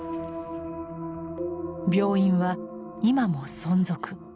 病院は今も存続。